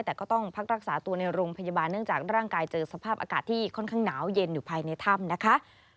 แต่ก็ต้องพักรักษาตัวในโรงพยาบาลเนื่องจากร่างกายเจอสภาพอากาศที่ค่อนข้างหนาวเย็นอยู่ภายในถ้ำนะคะ